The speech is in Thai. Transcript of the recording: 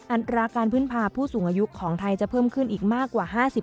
อัตราการพึ่งพาผู้สูงอายุของไทยจะเพิ่มขึ้นอีกมากกว่า๕๐